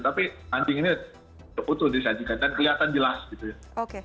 tapi anjing ini utuh disajikan dan kelihatan jelas gitu ya